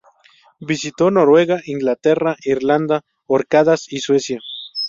Visitó Noruega, Inglaterra, Irlanda, Orcadas y Suecia.